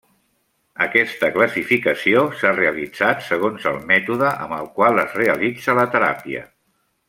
Aquesta classificació s'ha realitzat segons el mètode amb el qual es realitza la teràpia.